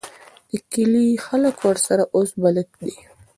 د کلي خلک ورسره اوس بلد دي.